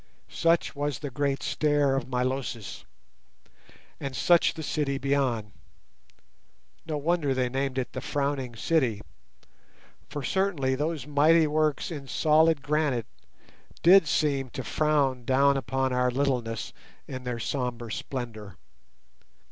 Such was the great stair of Milosis, and such the city beyond. No wonder they named it the "Frowning City", for certainly those mighty works in solid granite did seem to frown down upon our littleness in their sombre splendour.